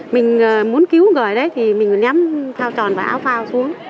mình muốn cứu rồi đấy thì mình ném phao tròn và áo phao xuống